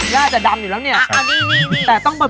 ย่ายักษ์จะดำอยู่แล้วเนี่ยแต่ต้องบอก